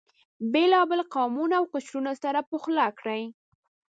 بېلابېل قومونه او قشرونه سره پخلا کړي.